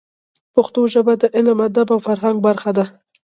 پښتو ژبه د علم، ادب او فرهنګ برخه ده.